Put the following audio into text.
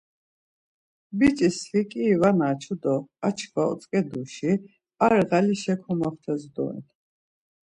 Biç̌is fiǩiri var naçu do ar çkva otzǩeduis ar ğalişa komoxtes doren.